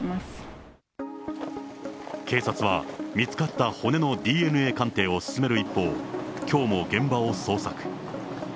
警察は、見つかった骨のＤＮＡ鑑定を進める一方、きょうも現場を捜索。